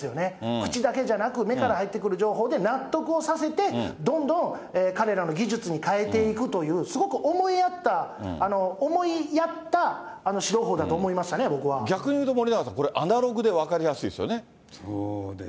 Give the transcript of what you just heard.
口だけじゃなく、目から入ってくる情報で納得をさせて、どんどん彼らの技術に変えていくという、すごく思いやった、思いやった指導法だと思いましたね、逆に言うと森永さん、これ、そうですね。